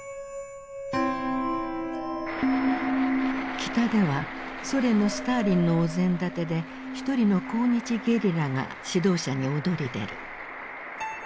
北ではソ連のスターリンのお膳立てで一人の抗日ゲリラが指導者に躍り出る。